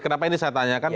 kenapa ini saya tanyakan